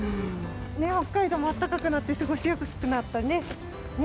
北海道もあったかくなって、過ごしやすくなったね。